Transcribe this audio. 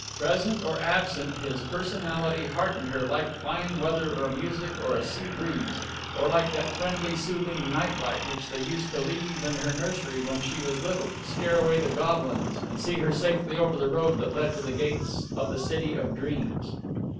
Present or absent, his personality heartened her like fine weather or music or a sea breeze or like that friendly, soothing night light which they used to leave in her nursery when she was little, to scare away the goblins and see her safely over the road that led to the gates of the city of dreams.